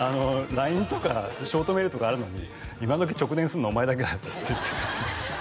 ＬＩＮＥとかショートメールとかあるのに「今どき直電すんのお前だけだ」っつって